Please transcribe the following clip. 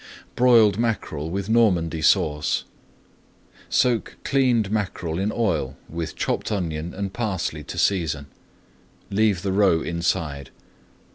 BROILED MACKEREL WITH NORMANDY SAUCE Soak cleaned mackerel in oil with chopped onion and parsley to season. Leave the roe inside.